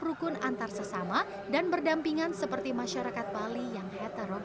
rukun antar sesama dan berdampingan seperti masyarakat bali yang heterogen tim liputan cnn